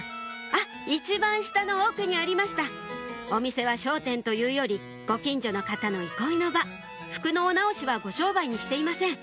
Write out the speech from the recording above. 一番下の奥にありましたお店は商店というよりご近所の方の憩いの場服のお直しはご商売にしていません